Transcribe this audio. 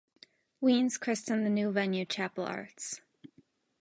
Wiens christened the new venue Chapel Arts.